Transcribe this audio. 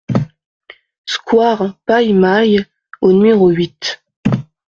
Square Paille-Maille au numéro huit